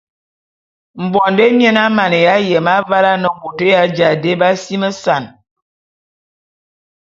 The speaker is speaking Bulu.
Mvondo émien a maneya yem avale ane bôt ya ja dé b’asimesan.